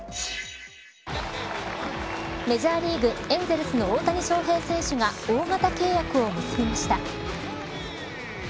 メジャーリーグエンゼルスの大谷翔平選手が大型契約を結びました。